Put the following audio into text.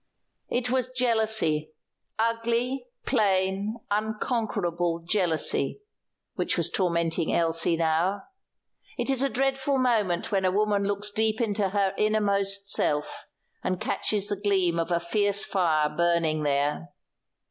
It was jealousy ugly, plain, unconquerable jealousy which was tormenting Elsie now. It is a dreadful moment when a woman looks deep into her innermost self and catches the gleam of a fierce fire burning there.